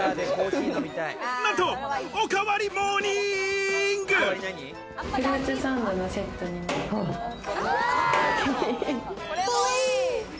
なんと、おかわりモーニング！かわいい！